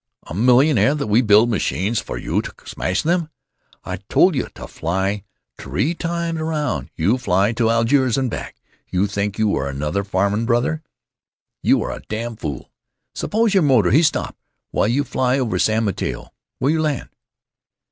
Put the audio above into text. A millionaire that we build machines for you to smash them? I tole you to fly t'ree time around—you fly to Algiers an' back—you t'ink you are another Farman brother—you are a damn fool! Suppose your motor he stop while you fly over San Mateo? Where you land?